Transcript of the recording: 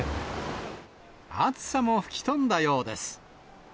暑さも吹き飛んだようです。